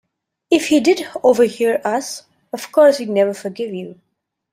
If he did overhear us, of course he’d never forgive you.